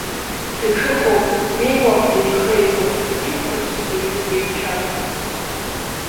Дҿыхоуп, днеиуам деихеигәо, иқәлацәа ӡәырҩы дреицәам.